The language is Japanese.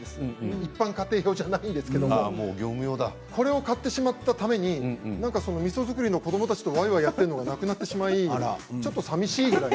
一般家庭用じゃなくてこれを買ってしまったためにみそ造りの子どもたちとわいわいやっているのがなくなってしまってさみしいんです。